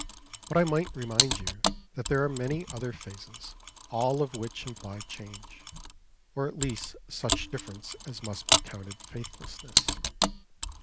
But I might remind you that there are many other phases, all of which imply change, or at least such difference as must be counted faithlessness.